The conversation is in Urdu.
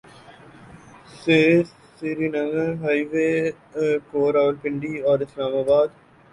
سے سرینگر ہائی وے کو راولپنڈی اور اسلام آباد